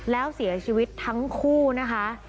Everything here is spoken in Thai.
แล้วเสียชีวิตทั้งคู่นะคะ